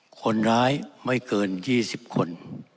คนร้ายไม่เกิน๒๐คน